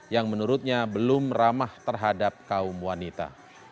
yang menurutnya belum ramah terhadap kaum wanita